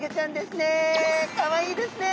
かわいいですね。